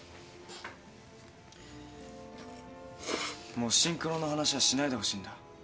もうシンクロの話はしないでほしいんだ。